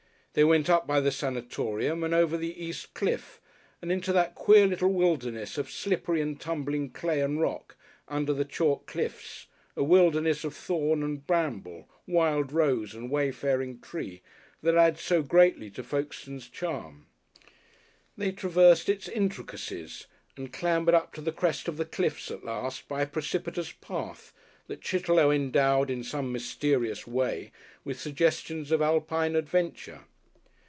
They went up by the Sanatorium, and over the East Cliff and into that queer little wilderness of slippery and tumbling clay and rock under the chalk cliffs, a wilderness of thorn and bramble, wild rose and wayfaring tree, that adds so greatly to Folkestone's charm. They traversed its intricacies and clambered up to the crest of the cliffs at last by a precipitous path that Chitterlow endowed in some mysterious way with suggestions of Alpine adventure.